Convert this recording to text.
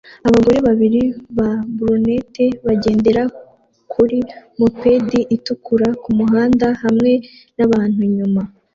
Abagore babiri ba brunette bagendera kuri moped itukura kumuhanda hamwe nabantu inyuma